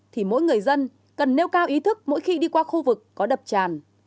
thì mỗi người dân cần nêu cao ý thức mỗi khi đi qua khu vực có đập tràn